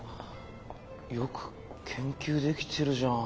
よく研究できてるじゃん。